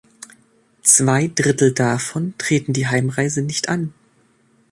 Zwei Drittel davon treten die Heimreise nicht an.